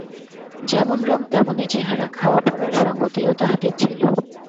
যেমন রঙ তেমনি চেহারা–খাওয়াপরার সংগতিও তাহাদের ছিল।